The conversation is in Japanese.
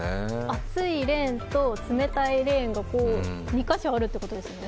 熱いレーンと冷たいレーンが２か所あるってことですね。